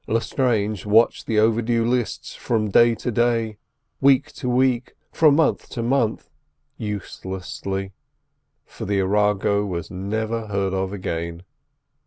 Lestrange watched the overdue lists from day to day, from week to week, from month to month, uselessly, for the Arago never was heard of again.